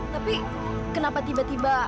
tapi kenapa tiba tiba